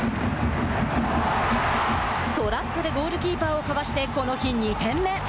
トラップでゴールキーパーをかわしてこの日、２点目。